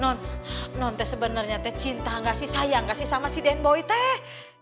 non non teh sebenernya teh cinta gak sih sayang gak sih sama si deng boy teh